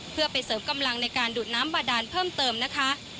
เพื่อไปเสริมกำลังในการดูดน้ำบาดานเพิ่มเติมนะคะ